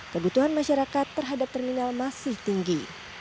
kebutuhan masyarakat terhadap terminal masih tinggi